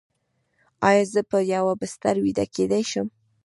ایا زه په یوه بستر ویده کیدی شم؟